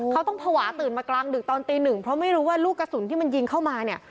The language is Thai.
เขาต้องภาวะตื่นมากลางดึกตอนตีหนึ่งเพราะไม่รู้ว่าลูกกระสุนที่มันยิงเข้ามาเนี่ย